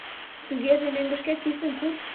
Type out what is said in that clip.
Тугеже мӧҥгышкет писын курж!